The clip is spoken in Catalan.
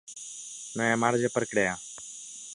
No hi ha marge per a crear.